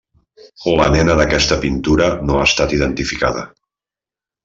La nena d'aquesta pintura no ha estat identificada.